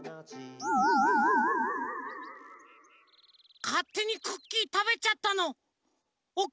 かってにクッキーたべちゃったのおこってるのかも。